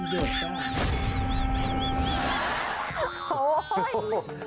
แต่พี่มันโดดตาม